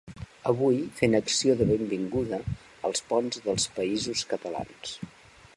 Avui fent acció de benvinguda als ponts del països catalans!